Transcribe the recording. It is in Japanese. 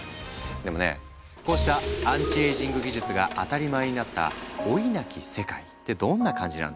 でもねこうしたアンチエイジング技術が当たり前になった老いなき世界ってどんな感じなんだろう？